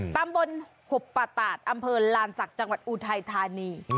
ปรับบนหบประตาศอำเภอลานศักดิ์จังหวัดอูทายธานี